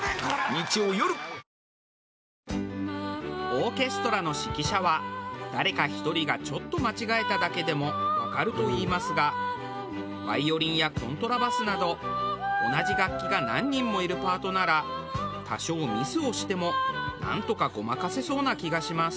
オーケストラの指揮者は誰か１人がちょっと間違えただけでもわかるといいますがバイオリンやコントラバスなど同じ楽器が何人もいるパートなら多少ミスをしてもなんとかごまかせそうな気がします。